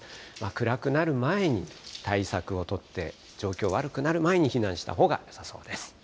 暗くなる前に対策を取って、状況悪くなる前に避難したほうがよさそうです。